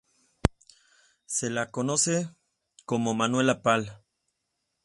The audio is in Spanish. Se la conoce como "Manuela Pal".